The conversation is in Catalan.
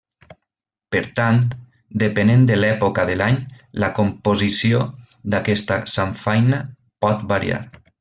Per tant, depenent de l’època de l’any, la composició d’aquesta samfaina pot variar.